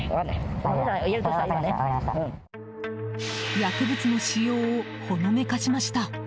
薬物の使用をほのめかしました。